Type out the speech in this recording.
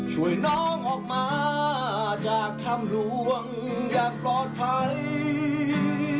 ช่วยน้องออกมาจากถ้ำหลวงอย่างปลอดภัย